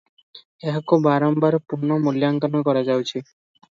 ଏହାକୁ ବାରମ୍ବାର ପୁନଃ ମୂଲ୍ୟାଙ୍କନ କରାଯାଉଛି ।